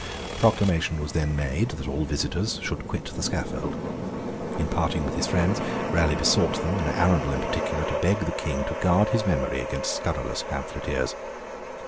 Proclamation was then made that all visitors should quit the scaffold. In parting with his friends, Raleigh besought them, and Arundel in particular, to beg the King to guard his memory against scurrilous pamphleteers.